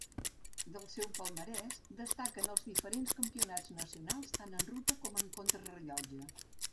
Del seu palmarès destaquen els diferents campionats nacionals tant en ruta com en contrarellotge.